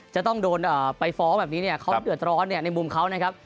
จะต้องโดนไปฟ้องแบบนี้เนี่ยเขาเดือดร้อนเนี่ยในมุมเขานะครับ